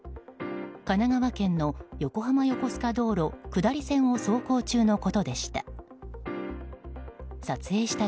神奈川県の横浜横須賀道路下り線を走行中のことでした。